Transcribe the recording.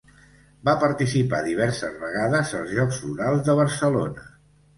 Va participar diverses vegades als Jocs Florals de Barcelona.